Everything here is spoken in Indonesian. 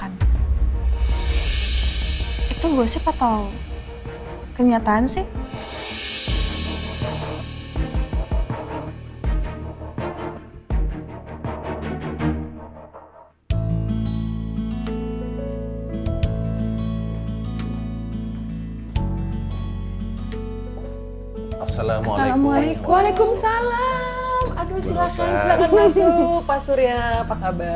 aduh silahkan masuk pak surya apa kabar